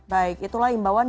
baik itulah himboan